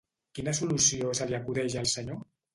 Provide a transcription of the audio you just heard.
Quina solució se li acudeix al senyor.